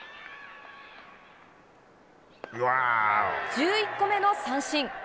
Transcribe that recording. １１個目の三振。